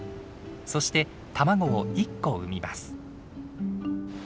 そして卵を１個産みます。